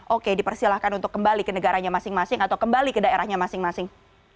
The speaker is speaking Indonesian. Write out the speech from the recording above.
oke dipersilahkan untuk kembali ke negaranya masing masing atau kembali ke daerahnya masing masing